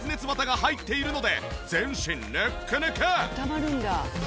あったまるんだ。